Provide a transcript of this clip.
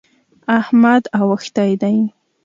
احمد اوښتی دی.